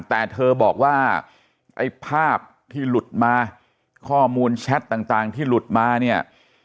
แต่เธอบอกว่าไอ้ภาพที่หลุดมาข้อมูลแชทต่างที่หลุดมาเนี่ย